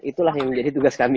itulah yang menjadi tugas kami